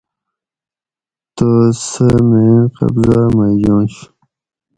تہ سہ مین قبضا مئ یُنش